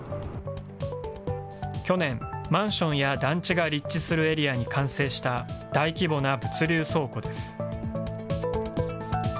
去年、マンションや団地が立地するエリアに完成した、大規模な物流倉庫です。